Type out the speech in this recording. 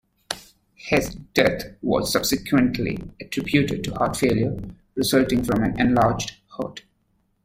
His death was subsequently attributed to heart failure resulting from an enlarged heart.